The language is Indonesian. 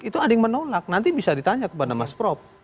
itu ada yang menolak nanti bisa ditanya kepada mas prop